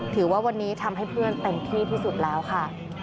ถือว่าวันนี้ทำให้เพื่อนเต็มที่ที่สุดแล้วค่ะ